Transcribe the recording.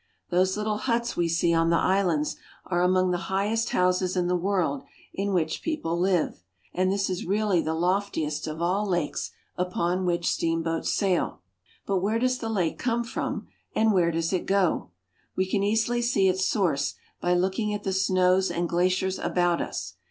Those little huts we see on the islands are among the highest houses in the world in which people live, and this is really the loftiest of all lakes upon which steamboats sail. But where does the lake come from, and where does it go ? We can easily see its source by looking at the snows and glaciers about us.